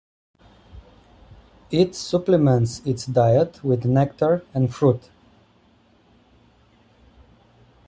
It supplements its diet with nectar and fruit.